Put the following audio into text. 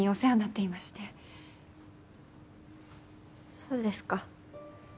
そうですか。